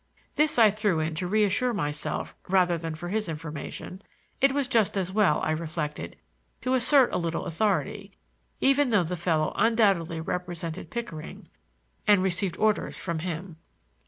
This I threw in to reassure myself rather than for his information. It was just as well, I reflected, to assert a little authority, even though the fellow undoubtedly represented Pickering and received orders from him.